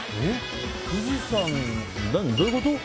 富士山どういうこと？